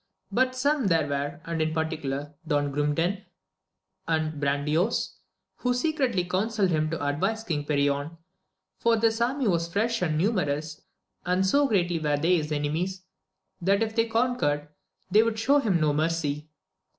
But some there were, and in particular Don Grumedan and Brandoyuas, who secretly counselled him to advise King Perion, for this army was fresh and numerous, and so greatly were they his enemies, that if they con quered, they would show him no mercy.